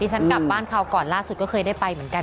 ฉันกลับบ้านคราวก่อนล่าสุดก็เคยได้ไปเหมือนกัน